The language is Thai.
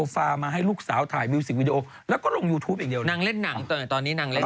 ไฟชายอันดับสองได้แก